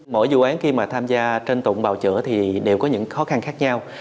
mỗi dụ án khi mà tham gia trên tụng bào chữa thì đều có những khó khăn khác nhau